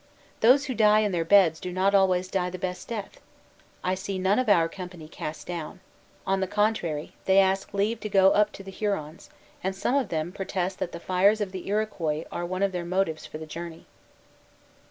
Those who die in their beds do not always die the best death. I see none of our company cast down. On the contrary, they ask leave to go up to the Hurons, and some of them protest that the fires of the Iroquois are one of their motives for the journey."